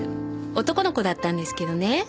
男の子だったんですけどね。